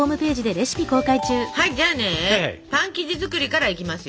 はいじゃあねパン生地作りからいきますよ。